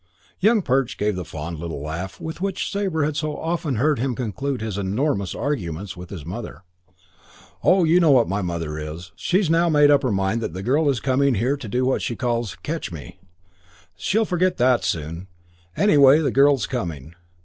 Young Perch gave the fond little laugh with which Sabre had so often heard him conclude his enormous arguments with his mother. "Oh, you know what my mother is. She's now made up her mind that the girl is coming here to do what she calls 'catch me.' She'll forget that soon. Anyway, the girl's coming.